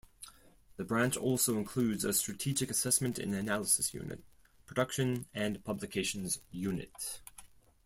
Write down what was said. The Branch also includes a Strategic Assessment and Analysis Unit, Production and Publications Unit.